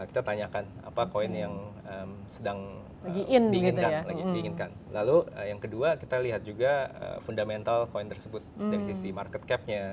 kita tanyakan apa koin yang sedang diinginkan lalu yang kedua kita lihat juga fundamental koin tersebut dari sisi market capnya